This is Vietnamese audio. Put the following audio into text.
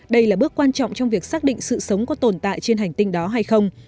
đây là bước quan trọng trong việc xác định sự sống có tồn tại trên hành tinh đó hay không